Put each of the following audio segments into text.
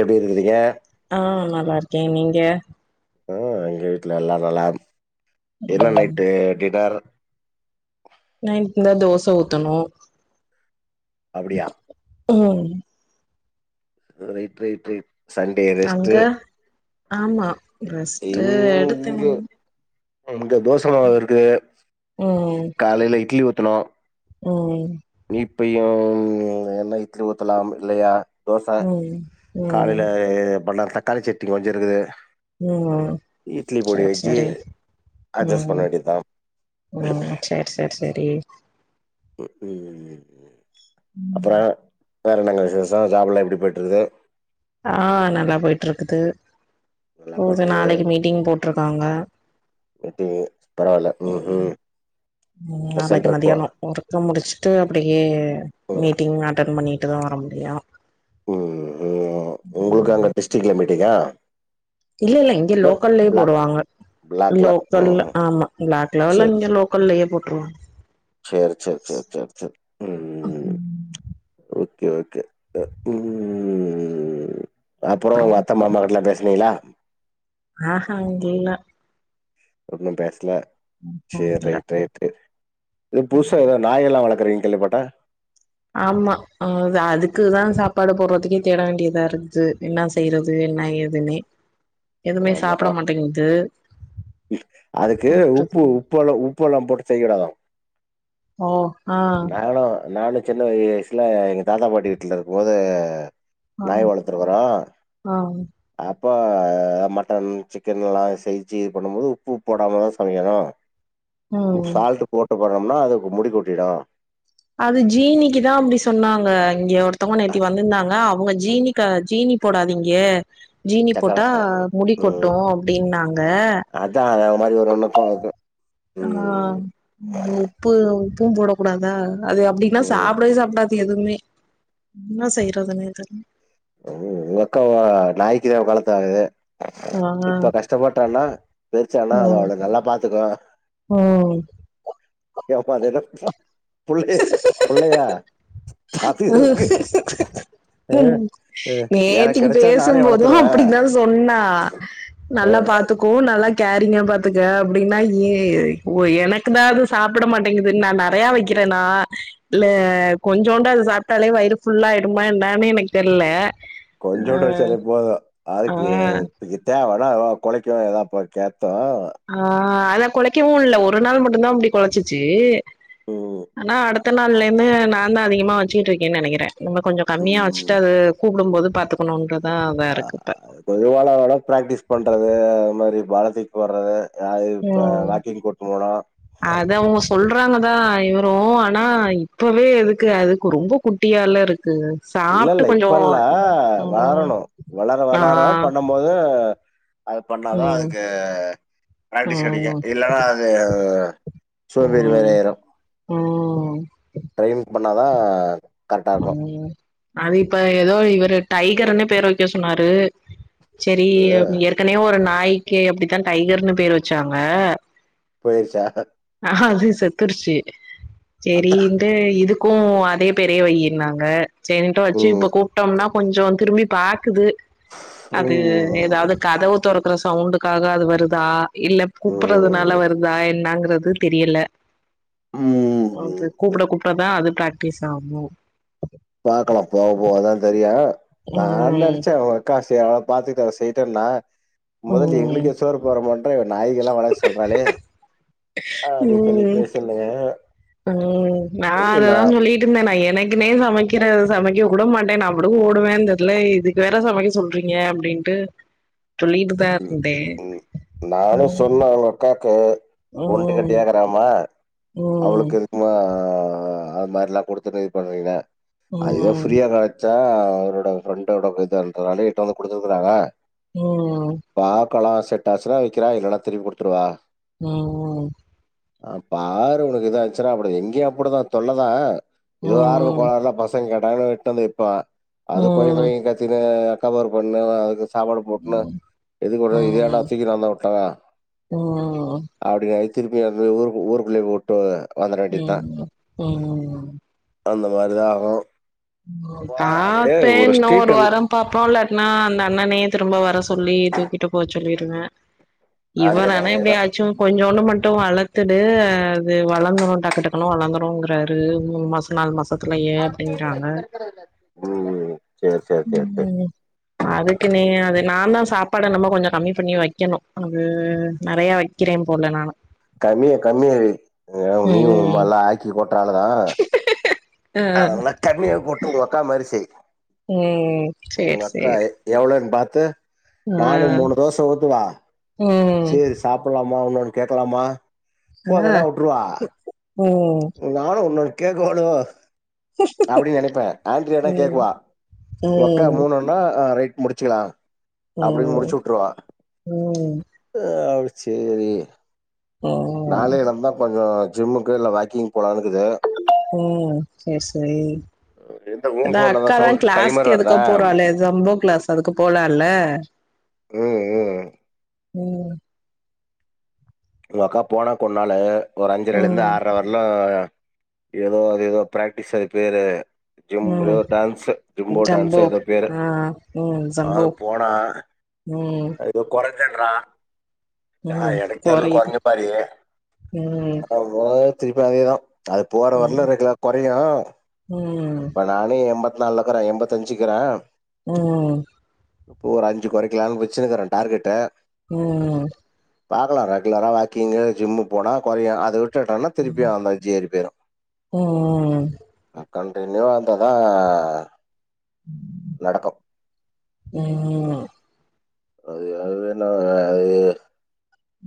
எப்டி இருக்கிறீங்க? ஆ நல்லா இருக்கே நீங்க ஆ எங்க வீட்ல எல்லா நலம் என்ன ம் நைட்டு டின்னர் நைட் இந்த தோச ஊத்தணு அப்டியா ம் ரைட் ரைட் ரைட் சண்டே அங்க ரெஸ்ட்டு ஆமா ரெஸ்ட்டு எடுத்தே ஹலோ த தோசமாவு இருக்கு ம் காலைல இட்லி ஊத் துனோ ம் இப்பயும் என்ன இட்லி ஊத்தலாம் இல்லையா தோச ம் காலைல ம் பனா தக்காளி சட்னி கொஞ்சோ இருக்குது ம், இட்லி பொடி சேரி வச்சு சேரி அட்ஜஸ்ட் பண்ண ம், வேண்டியதா ம், சேரி சேரி செரி ம் ம் அப்பறோ வேற என்னங்க விசேஷோ ஜாப்புல்லா எப்டி போய்ட்டுருக்குது ஆ நல்லா போய்ட்டுருக்குது நல்லா போது போயிட்ருக்குது. நாளைக்கு மீட்டிங் போ ட்ருக்காங்க [unintelligible] பரவால்ல ம் ம் ம் இப்ப நாளைக்கி சென்ட்ரல் போ மதியானோ ஊரு முடிஷ்ட்டு அப்டியே ம் மீட்டிங் அட்டெண் பண்ணி ட்டு தா வர முடியு உம் ம் உங்களுக்கு ம் அந்த டிஸ்ட்ரிக்ல மீட் டிங்கா இல்ல இல்ல இங்க லோக்கல்லே போடுவாங்க பிளாக்ல ம் லோக்கல்ல ம் ஆமா ப்ளாக் லெவல்ல சேரி இங்க லோக்கல்லயே போட்ருவா சேரி சேரி சேரி சேரி சேரி கே ஓகே அ உம் அப்பறோ அப்புறம் உங்க அத்த மாமா கிட்டுலா பேஸ் வியலா ஆஹா இங்கில்ல இன்னு பேஸ்ல சேர் இல்ல ரைட் ரைட்டு எ புதுசா எதோ நாயெல்லா வளக் கிரீன் கல் போட்டா ஆமா ஆஹ் அது அதுக்குதா சாப்பாடு போறதுக்கே தேட வேண்டியதா இருக்குது என்னா செய்றது என்னா ஏதுனே எதுமே ஆமா சாப்ட மாட்டேங்து அதுக்கு உப்பு உப்பால உப்பெலா போட்டு செய்யடு ஓ ஆ நானோ நானு சின்ன வய்சுல எங்க தாத்தா பாட்டி வீட்ல இருக்குமோது ஆ நாய் வளத்துருக்குறோ ஆ அப் போ மட்டன் சிக்கன் எல்லா செய்ச்சி இது பண்ணுமோது உப்பு போடாமதா சமைக்கணு உ ம் சால்ட்டு போட்டு போட்றோம்னா அதுக்கு முடி கொட்டிடு அது ஜீனிக்கு தா அப்டி சொன்னாங்க இங்க ஒரு த்தவ்ங்க நேத்தி வந்திர்ந்தாங்க அவ் ங்க ஜீனிக்க ஜீனி போடாதீங்க ஜீனி சக்கர போட்டா அ முடி ம் கொட்டு அப்டின்னாங்க அதா அது மாரி ஒரு ஒன்னுக்கு ஆகு ஆ பும் போட கூடாதா அது அப்டினா சாப்டவே சாப்டாது எதுவுமே என்ன செய்யறதுனே தெர்ல ஓ உங்கக்கவா நாய்க்கிதா ஆ [unintelligible] இப்ப கஷ்டப்பட்டானா பெருச்சானா அது ம் அவள நல்லா பாத்துக்கு ம் கேப்பா அதேலா [unintelligible] புள்ளே புள்ளயா ஆ அ உம் அ எனக்கு நேத்திக்கு கெடச்சா பேசும் நானே போதும் வளத்துருவே அப்டிதா சொன்னா அ நல்லா பாத்துகோ நல் லா கேரிங்கா பாத்துக்க அப்டினா ஏய் ஓ எனக்குதா அது சாப்ட மாட்டேங்குது நா நெறையா வக்கிறேனா இல்ல கொஞ் சோண்ட அது சாப்டாலே வயிறு புல்லா ஆயிடுமா என்னானு எனக்கு தெர்ல ஆ கொஞ்சோன்டு வெச்சாலே போது ஆ அதுக்கு இப்ப இதாவரு பின்னாலவா கொலைக்கு ஏதா பா கேக் த்தா ஆ அதா கொலைக்கவோ இல்ல ஒரு நாள் மட்டுதா அப்டி கொலச்சிச்சு ஓ த நாள்லயுமே நா தா அதிகமா வச்சுட்டுருக்கேனு நெனக்கிறே நம்ம கொஞ்சோ கம்மியா வெச்சுட்டு ம். அது கூப்டு போது பாத்துக்கணுன்ற அ அது கொஞ்சோ நாளவேன பிராக்டிஸ் பண்றது அ மாதிரி வளத்திக்கு போர்றது ம் அத அவுங்க சொல்றாங்கதா இவு ரு ஆனா இப்பவே எதுக்கு அது ரொம்ப குட்டியால இருக்கு சாப்ட்டு இல்லல்ல கொஞ்சோ இப்ப இல்ல ம் வாரணோ வளர ஆ வளர பண்ணு போது அது பண்ணாதா ம் அதுக்கு பிராக்டிஸ் கெடைக்கு ம் இல்லனா அது சோம்பெரி மாரி ம் ஆயிரு ம் ட்ரெயின் பண் ணாதான் ம் அது இப்ப ஏதோ இவரு டைகருனு பேர வெக்க சொன்னாரு செரி இது ஏற்கனயே ஒரு நாய் ஐகே அப்படித்தா டைகர்னு பேர் வச்சாங்க பேர்ச்சா அஹது செத்திருச்சி சேரி அதான் இந்த இதுக் க்கு அதே பேர் பே வையுனாங்க [unintelligible] வச்சு இப்ப ம், கூப்ட்டம்னா கொஞ்ச திரும்பி பாக்குது அது ம், ஏதாவது கதவு தொறக் இருக்குற சவுண்டுக்காக அது வருதா இல்ல ம். கூப்படுறதுனால வருதா என்னாங்க அது தெரியல அது ம் கூப்பிடகூப்பிடதா அது பிராக்டிஸ் ஆகு நோ நான் ம் நெனச்சே உங்கக்கா சேரி அத பாத்துக்ட்டு இத செய்யிட்டேனா மொதல்ல ம் எங்களுக்கே சோறு போடமாட்ற இவ நாய்க்கு எல்லா வளக்க சொல்றாளே அப்டி சொல்லி உம் பேசுனே உம் நா அததா சொல்லிட்டு இருந்தே நா எனக்கு இதுக்குனே சமைக்கிற சமைக்க கூடமாட்டே நான் பாட்டுக்கு ஓடுவே இந்திதுல இதுக்கு வேற சமைக்க சொல்றீங்க அப்டின்ட்டு சொல்லிட்டுதா ம் இருந்தே ம் நானு ம் சொன்னே உங்க அக்காக்கு ஒண்டு ம் கட்டயாக்கறாம, ம் அவளுக்கு எதுக்குமா ஆஹ் அது மாரி எல்லா குடுத்துட்டு இது பண்றீங்க ஐயோ ம் ஃப்ரீயா கெடச்சா அவரோட ஃப்ரெண்டோட [unintelligible] எடுத்துட்டு வந்து குடுத்துருக்காங்க ம் ம் பா கலா செட் ஆச்சுன்னா விக்கறே இல்லனா திருப்பி குடுத்துடுவ ம் உம் அபாரு உனக்கு ஏதா ஆச்சுன்னா அப்படி இங்கேயு அப்படிதா தொல்லதா ஏதோ ம் ஆர்வகோளாறுல பசங்க தான விட்டு வந்து இப்பா அது ம் கொயகொயன் கத்தினு கவர் பண்ணு அது சாப்பாடு போட்ணு இது கூட இது ஏண்டா தூக்கிட்டு வந்து விட்டவ ம் அப்டி திரும்ப்பி அந்த ஊர் ஊருர்கள்ளே போட்டு ம் ம் அந்த மாரிதா ஆகோ தான்ப்பேன் இன்னும் ஸ்ட்ரீட் ஒரு அண்ட் வாரோ பாப்போம் இல்லடனா அந்த அண்ணனே திரும்ப வர சொல்லி தூக்கிட்டு போச்சொல்லி இங்க இவ அதேதான் ஆனா அதேதான். எப்டியாச்சும் கொஞ்சோ விடமாட் வளர்த்து அது வளர்ந்துரும் டக்கு டக்குனும் வளர்ந்துரும்ங்காரு மூணு மாசம் நாலு மாச சல ம். சரி, சரி, சரி, சரி. அ [inaudible] அதுக்கு நீங்க அத நான் தா சாப்பாட நம்ம கொஞ்சோ கம்மி பண்ணி வைக்கணும அது நெறையா வைக்கிறே போல நானு கம்மியே கம்மியே அ நீ ம் ம் உங்கம்மாலா ஆக்கி கொட்ர ஆளுதா அ தண்ணிய போட்டு உங்கக்கா மாரி செய் ம் சேரி உங்கக்க்கா சேரி எ எவளன் பா த்து ஆ நாளு மூணு தோச ஊத்துவா ம் செரி சாப்புலா மா இன்னொன்னு கேக்கலாமா ஆ போதுன்னா வுட்ருவா ம் நானு ஒன்ன கேக்குவாலோ அப்டின் நெனைப்பே ஆண்டரியனா ம் கேக்குவா உங்கக்கா ம் மூணுன்னா அ ரைட் முடிச்சுக்கலா அப்டின்னு ம் முடிச்சு வுட்டுருவா ம் அ செரி ம் நால [unintelligible] கொஞ்சோ ஜிம்முக்கு இல்ல வாக்கிங் போலானுக்குது ம் செரி செரி இந்த ஊ ஏ ஃபோன்லதா அக்காதா சவுண்ட் டைமர் க்ளாஸ்க்கு வருதா எதுக்கோ போறாலே சம்போ க்ளாஸ் அதுக்கு போலல ம் ம் ம் உங்க அக்கா போனா கொன்னாலு ஒரு அஞ்சரலேருந்து ம் ஆர்ர வர்லு ஏதோ அது எதோ ப்ராக்டிஸ் அது பேரு ஜிம்போ ம் டான்ஸு ஜிம்போ டான்ஸு ஜம்போ எதோ பேரு ஆ அது போனா உம் [unintelligible] அ எனக் தெர்ல கொறையுது கொறைஞ்ச மாரி ம் ஆமா திருப்பி அதேதா அது போற வரல ம் இருக்கலா கெறையு ம் ம் இப்ப நானே எம்பத் நால்லாக்குறே எம்பத்தஞ்சுக்குறே உம் இப்போ ஒரு அஞ்சு கொறைக்கலான் வச்சு ச்சுனுக்குறே டார்கெட்டு ம் ம் ம் பாக்கலா ரெகுலரா வாக்கிங்கு ஜிம்மு போனா கொறயு அத விட் ட்டுடோனா திருப்பி அந்தாஜி இருக்கு ம் [unintelligible] கண்டனியூவா வந்தாதா உம் நடக்கும் உம்ம் அது அதுவே நா அது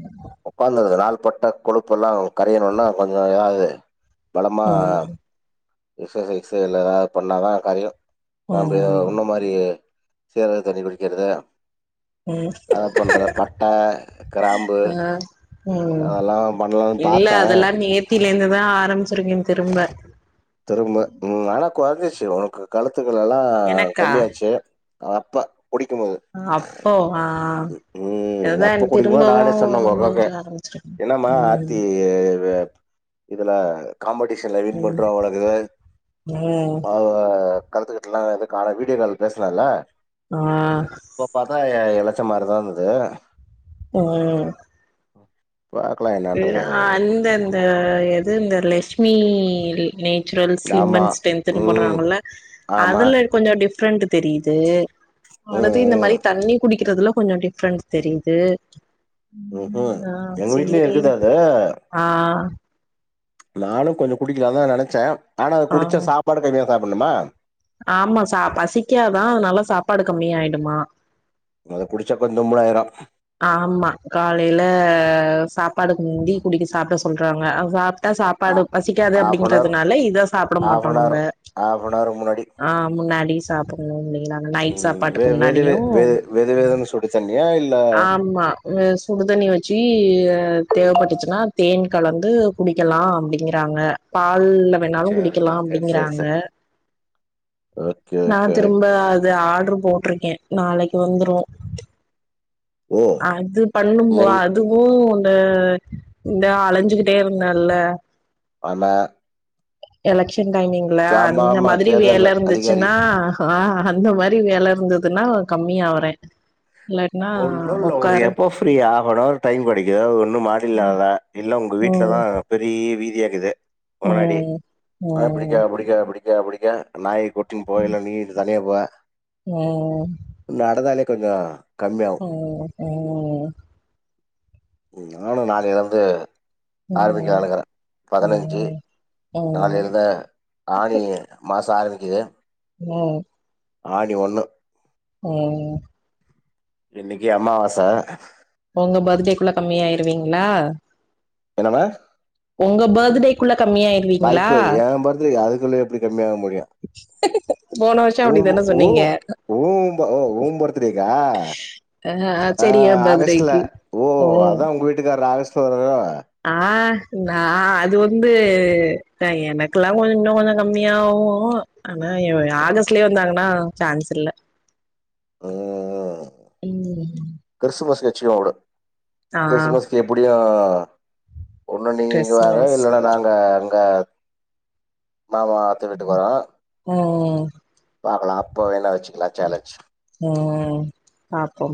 உம் உ்காந்துருது நாள்பட்ட கொழுப்பு எல்லா கரையணுனா கொஞ்சோ ஏதாவுது பழமா ம் எஸ்ஸசைஸ் இல்ல ஏதாவது பண்ணாதா கரயு நாம்ப ஏதோ ம் முன்ன மாரி சேர்ர தண்ணி குடிக்கிறது ம் அத பண்றது பட்ட கிராம்பு ஆ ம் அதெல்லா பண்ணலான்னு பாத்தே சிருக்கே திரும்ப திரும்ப உம் ஆனா கொழந்தயை வச் ஒனக்கு கழுத் கத்துக்குள எல்லா எனக்கா கம்மியாச்சு ஆ அப்ப அப்போ ஆஹ் உம் அப்ப குடிக்குமோ நானே சொன்னே ஒங்க அக்காகே கொஞ்சோ ஆரம்பிச்சிருக்கே என்னம்மா ம் ஆத்தி இதுல காம்படிஷன்ல வின் ம் பண்றவங்களுக்கு ம் [unintelligible] கழுத்துக்கிட்டலா இதுக்கான வீடியோ கால் பேசுனால்ல ஆ இப்ப பாத்தா எல ச்ச மாரிதா இருந்தது ஆஹ் ஓ நான் அந்தந்த இருந்த ரிலேஷன் [inaudible] ஜென்ஸ் ஸ்லிம் ஆமா அண்ட் ஸ்ட்ரென்த்கு ம் பண்றாங்களா ஆமா அதுல கொஞ்சம் டிஃபரண்ட டிஃப்ரண்ட் தெரியுது ம் அடுத்து இந்த ம் மாதிரி தண்ணி குடிக்கிறதுல கொஞ்சம் டிஃபரென்ஸ் தெரியுது உஹம்ஹம் ஆ எங்க வீட்டில இருக்குதா அது ஆஹ் நானு கொஞ்ச குடிக்கலாந்தா நெனச்சே ஆனா அத ஆ குடிச்சா சாப்பாடு கம்மியா சாப்பிட்னுமா ஆமா சா பசிக்காதா அதுனால சாப்பாடு கம்மியாய்டுமா அத குடிச்சா கொஞ்ச ரொம்ப நேர ஆய்ரு ஆமா காலைல சாப்பாடுக்கு முந்தி குடிச்சு சாப்ட சொல்றாங்கா கரெக்டா ஆ சாப்பாடு பசிக்காது ஹாஃப்னவர் அப்டிங்கறதுனால இத சாப்ட மாட்டோ ஹாஃப்னவர் நம்ப ஹாஃப்னவருக்கு ஆமாம் நீ சாப்டணுனோம்ல உம் வெ வெது வெது வெ வெது வெதுன்னு சுடு தண்ணியா இல் ஆமா உம் சுடுதண்ணி வச்சு அஹ் தேவப்பட்டுச்சுனா தேன் கலந்து குடிக்கலா அப்டிங்றாங்க எதுல்ல‌ வேணாலு சேரி குடிக்கலா சேரி சேரி சேரி அப்டிங்கிறாங்க சேரி ஓகே நா ஓகே திரும்ப அத ஆர்ட்ரு போட்டிருக்கே நாளைக்கு வந்துரு ப்றோ ஓ ஓ அது பண்ணும்போ எங் அதுவு ஓ இந்தா அலஞ்சுகிட்டே இருந்தோல்ல அண்ணே எலக்ஷ ர்கிங் டைமிங்ல அந்த ஆமா மாதிரி தேர்தல் வேல அதிகாரி இருந்துச்சுனா ஆஹ் அந்த மாரி வேல இருந்ததுனா கம்மியாவரே ஒன்னு இல்ல ஒனக்கு எப்ப ஃப்ரீ ஹாஃபனார் டைம் கெடைக்குதோ ஒன்னு மாத்தின்லா வா இல்ல உங் உங் வீட்லதா ம் அவ்ள பெரி டி வி லே இருக்குது எ முன்னாடி ம் ஆஹ் ம் பிடிக்காது பிடிக்காது பிடிக் ஏ பிடிக்கு நாயி கூட்டீன் போகைல நீ இதுதா லேப்பா உம் கொஞ்ச உம் உம் உம் உம் உம் ம் ஏ நானு நாளு பேர்ட்ட ஆரம்பிக்கலான்ருக்கிறே ம் பதனஞ்சு ம் நாளு இருந்த ஆனி மாசோ ஆரம்பிக் இது நிலா ஆடி ஒன்னு ம் இன்னக்கி அம்மாவாச உங்க பர்த்டேகுள்ள கம்மியாயிருவீங்களா என்னம்மா உங்க பர்த்டேக்குள்ள கம்மியாயிருவீங்களா சொல்லு எப்டியிருகன்னு மேல முடியு போன வருஷோ ஓம்பு அப்டித்தான ஓ சொன்னீங்க ஓம்ப அ ஓம்பர்த்டேக்க ஆ ஆ செரி எ ஆகஸ்ட்ல பர்த்டேக்கு ஓ ம் அதா உங்க வீட்டுக்காரர் ஆகஸ்ட்ல வராரோ ஆ நா அது வந்து எனக்குல்லா கொஞ்சோ இன்னு கொஞ்சோ கம்மியாவு ஆனா ஏ ஆகஸ்ட்லயே வந்தாங்க னா சான்ஸ் இல்ல ஆ ஆ ம் ச்சியோடு ஆ கிறிஸ்மஸ்க்கு எப்டியு ஆ ஒண்ணு நீங்க இங்க வாங்க கிறிஸ்மஸ் இல்லன்னா நாங்க அங்க மாமா அத்த வீட்டுக்கு வரோ உஹ் உஹ் பாக்கலா அப்ப என்ன வெச்சி அ ஆஹ் ம் பாப்போ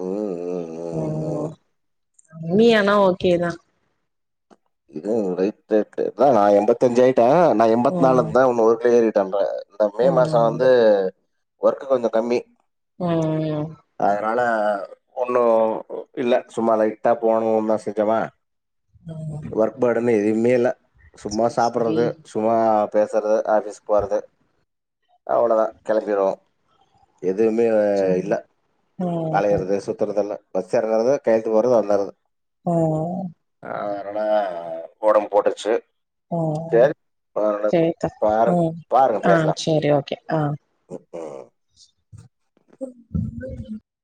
ம் ம் ம் மம்மி ஆனா ஓகேதா இதுவு ரைட் ரைட்டு நா எம்பத்தஞ்சு வெயிட் அ நா எம்பத் நாலு ம் தா [unintelligible] டன்ரா இந்த மே மாசொ ம் வந்து ஒர்க்கு கொஞ்சொ கம்மி உஹ்ம் உம் னால ஒண்ணு இல்ல சும்மா லைட்டா போணு தா செஞ்சொமா ம் ஒர்க் பாடனே இதுயு மேல சும்மா சேரி சாப்பிடுறது சும்மா பேசுறது ஆஃபீஸ் போறது அவ்வளதா கிளம்பிருவோ எதுவுமே சேரி ம் இல்ல ம் அலையறது சுத்திரதல்லா பஸ் ஏற்னாங் கெழுத்து போறது வந்துறது ஹ அதனால உடம்பு போட்டுச்சு ஹம் சேத்தா பாரு உம் பாருங்க ஆஹ் சரி ஓகே ஆஹ் ஆஹ